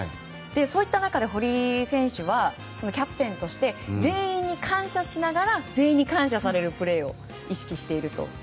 そういった中で堀選手はキャプテンとして全員に感謝しながら全員に感謝されるプレーを意識していると。